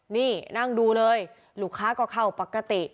นี่นั่งดูเลยลูกค้าก็เข้าปกติ